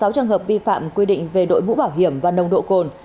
sáu trường hợp vi phạm quy định về đội mũ bảo hiểm và nồng độ cồn